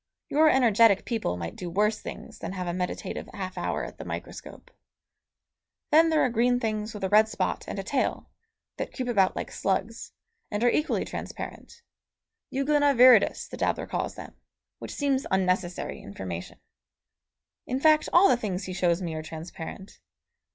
Your energetic people might do worse things than have a meditative half hour at the microscope. Then there are green things with a red spot and a tail, that creep about like slugs, and are equally transparent. Euglena viridis the dabbler calls them, which seems unnecessary information. In fact all the things he shows me are transparent.